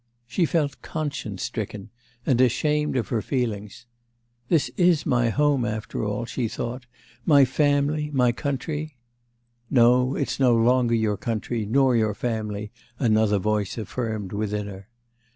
She felt conscience stricken and ashamed of her feelings. 'This is my home after all,' she thought, 'my family, my country.'... 'No, it's no longer your country, nor your family,' another voice affirmed within her.